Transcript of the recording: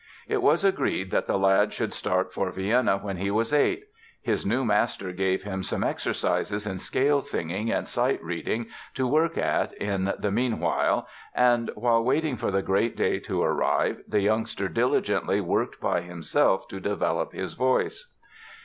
It was agreed that the lad should start for Vienna when he was eight. His new master gave him some exercises in scale singing and sight reading to work at in the meanwhile and, while waiting for the great day to arrive, the youngster diligently worked by himself to develop his voice.